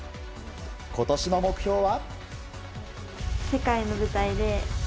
今年の目標は？